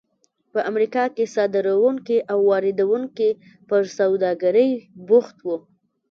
په امریکا کې صادروونکي او واردوونکي پر سوداګرۍ بوخت وو.